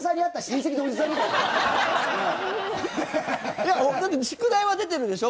いやだって宿題は出てるでしょ？